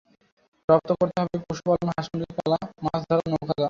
রপ্ত করতে হবে পশুপালন, হাঁস মুরগি পালা, মাছ ধরা, নৌকা বাওয়া।